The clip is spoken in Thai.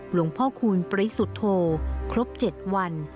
หลวงพ่อคูณปริสุทธโธครบ๗วัน